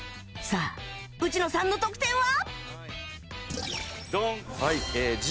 さあ内野さんの得点は？